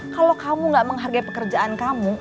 kalau kamu gak menghargai pekerjaan kamu